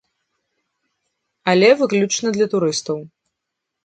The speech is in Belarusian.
Але выключна для турыстаў.